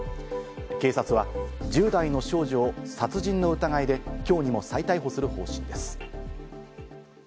警察は１０代の少女を殺人の疑いで今日にも再逮捕する方針です。